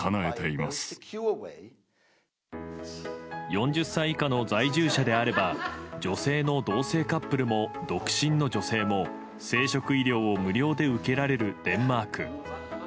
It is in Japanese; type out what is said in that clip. ４０歳以下の在住者であれば女性の同性カップルも独身の女性も生殖医療を無料で受けられるデンマーク。